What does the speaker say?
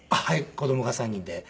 子供が３人で。